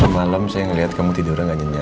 malem saya ngeliat kamu tidurnya ga nyenyak